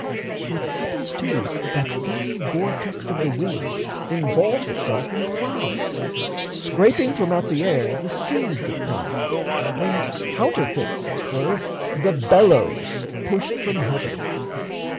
It happens too That very vortex of the wind involves Itself in clouds, scraping from out the air The seeds of cloud, and counterfeits, as 'twere, The "bellows" pushed from heaven.